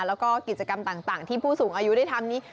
แล้วก็กิจกรรมต่างที่ผู้สูงอายุได้ทำนี้